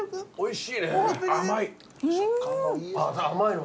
おいしい。